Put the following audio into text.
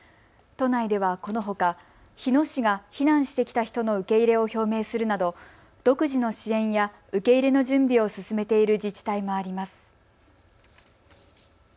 都内ではこのほか日野市が避難してきた人の受け入れを表明するなど独自の支援や受け入れの準備を進めている自治体もあります。